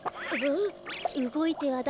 おっ？